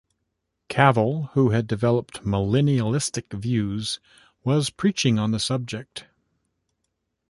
Kavel who had developed millennialistic views, was preaching on the subject.